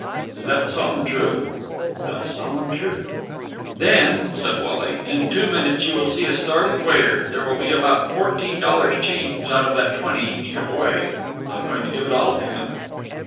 "Is that the solemn truth?" "The solemn truth." "Then," said Wally, "in two minutes you will see a startled waiter. There will be about fourteen dollars change out of that twenty he took away. I'm going to give it all to him."